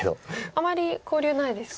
あまり交流ないですか。